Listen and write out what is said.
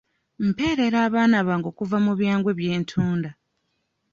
Mpeerera abaana bange okuva mu byangwe bye ntunda.